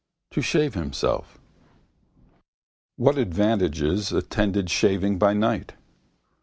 To shave himself. What advantages attended shaving by night?